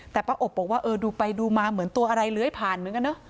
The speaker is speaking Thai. แต่ป้าอบบอกว่าเออดูไปดูมาเหมือนตัวอะไรเลื้อยผ่านเหมือนกันเนอะ